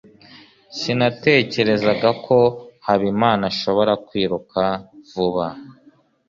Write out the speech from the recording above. Sinatekerezaga ko Habimana ashobora kwiruka vuba.